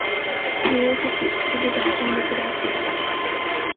笛を吹き、羊と遊んで暮して来た。